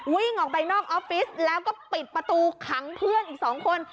วิ่งออกไปนอกออฟฟิศแล้วก็ปิดประตูขังเพื่อนอีก๒คน